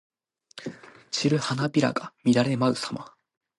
散る花びらが乱れ舞うさま。